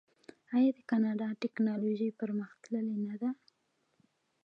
آیا د کاناډا ټیکنالوژي پرمختللې نه ده؟